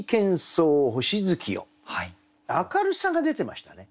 明るさが出てましたね。